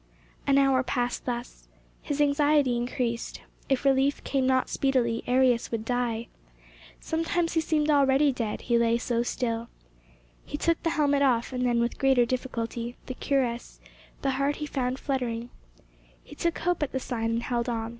An hour passed thus. His anxiety increased. If relief came not speedily, Arrius would die. Sometimes he seemed already dead, he lay so still. He took the helmet off, and then, with greater difficulty, the cuirass; the heart he found fluttering. He took hope at the sign, and held on.